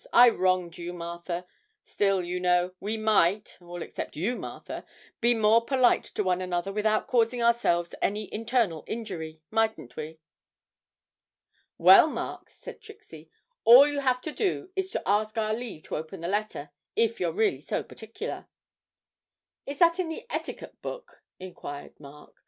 I wronged you, Martha. Still, you know, we might (all except you, Martha) be more polite to one another without causing ourselves any internal injury, mightn't we?' 'Well, Mark,' said Trixie, 'all you have to do is to ask our leave to open the letter, if you're really so particular.' 'Is that in the Etiquette Book?' inquired Mark.